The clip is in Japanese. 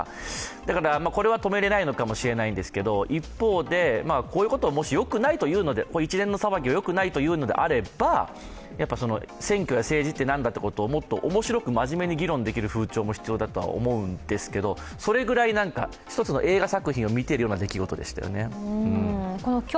だからこれは止められないかもしれないけど一方で、こういう一連の騒ぎをもしよくないと言うのであれば選挙や政治って何だということを面白く真面目に議論できる風潮も必要だとは思うんですけどそれぐらい、１つの映画作品を見ているような出来事でしたよね。